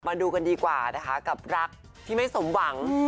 มาดูกันดีกว่านะคะกับรักที่ไม่สมหวัง